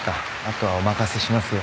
後はお任せしますよ。